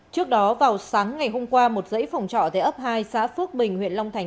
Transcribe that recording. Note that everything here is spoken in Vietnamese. trước đó vào sáng ngày hôm qua một dãy phòng trọ tại ấp hai xã phước bình huyện long thành